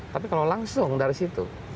tapi kalau langsung dari situ